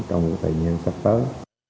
trong thời gian sắp tới